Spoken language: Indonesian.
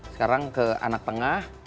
sekarang ke anak tengah